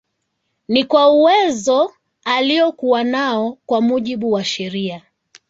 Ni kwa uwezo aliokuwa nao kwa mujibu wa sheria